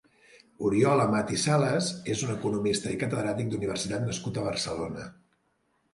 Oriol Amat i Salas és un economista i catedràtic d'universitat nascut a Barcelona.